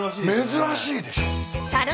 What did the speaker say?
珍しいでしょ。